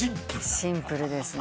シンプルですね。